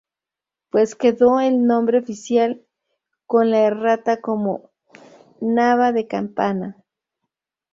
Pues quedó el nombre oficial con la errata como "Nava de Campana".